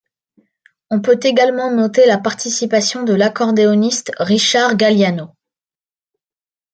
On peut également noter la participation de l'accordéoniste Richard Galliano.